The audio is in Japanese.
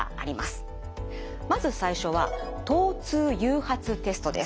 まず最初は疼痛誘発テストです。